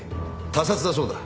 他殺だそうだ。